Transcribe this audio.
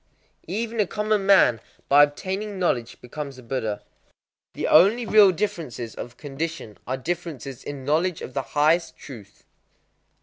_ Even a common man by obtaining knowledge becomes a Buddha. The only real differences of condition are differences in knowledge of the highest truth.